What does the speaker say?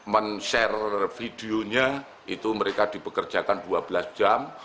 men share videonya itu mereka dipekerjakan dua belas jam